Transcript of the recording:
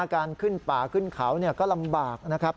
การขึ้นป่าขึ้นเขาก็ลำบากนะครับ